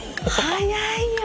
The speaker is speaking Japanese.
早いよ！